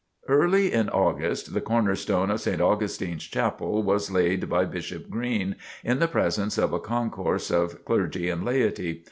Early in August the corner stone of St. Augustine's Chapel was laid by Bishop Green, in the presence of a concourse of clergy and laity.